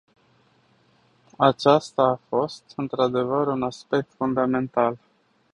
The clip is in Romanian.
Acesta a fost, într-adevăr, un aspect fundamental.